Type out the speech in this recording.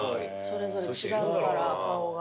それぞれ違うから顔が。